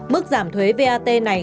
mức giảm thuế vat này